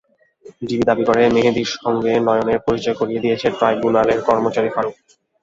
DB দাবি করেছে, মেহেদীর সঙ্গে নয়নের পরিচয় করিয়ে দিয়েছেন ট্রাইব্যুনালের কর্মচারী ফারুক।